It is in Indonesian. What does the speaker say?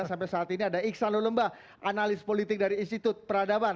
sampai saat ini ada iksan lulumba analis politik dari institut peradaban